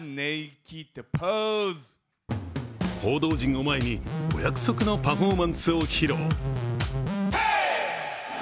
報道陣を前に、お約束のパフォーマンスを披露。